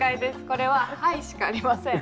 これは「はい」しかありません。